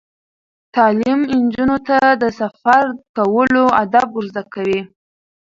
تعلیم نجونو ته د سفر کولو آداب ور زده کوي.